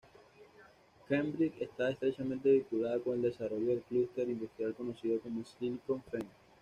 Cambridge está estrechamente vinculada con el desarrollo del clúster industrial conocido como "Silicon Fen".